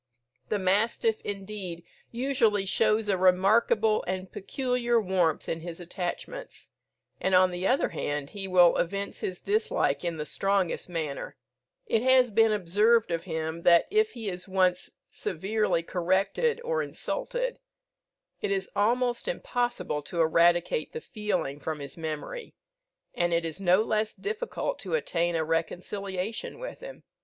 The mastiff, indeed, usually shows a remarkable and peculiar warmth in his attachments; and, on the other hand, he will evince his dislike in the strongest manner. It has been observed of him, that if he is once severely corrected or insulted, it is almost impossible to eradicate the feeling from his memory, and it is no less difficult to attain a reconciliation with him.